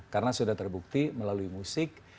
karena sudah terbukti melalui musik